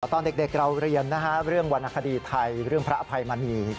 ตอนเด็กเราเรียนเรื่องวรรณคดีไทยเรื่องพระอภัยมณี